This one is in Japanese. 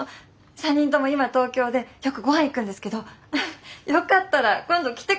３人とも今東京でよくご飯行くんですけどよかったら今度来てください。